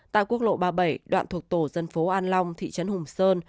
tại quốc lộ ba mươi bảy đoạn thuộc tổ dân phố an long thị trấn hùng sơn